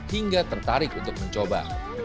hingga tertarik untuk mencoba